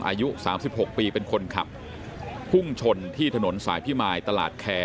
อายุ๓๖ปีเป็นคนขับพุ่งชนที่ถนนสายพิมายตลาดแคร์